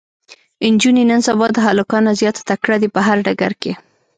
انجونې نن سبا د هلکانو نه زياته تکړه دي په هر ډګر کې